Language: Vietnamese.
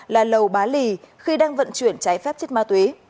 là lầu bá lì khi đang vận chuyển trái phép trên ma tuyến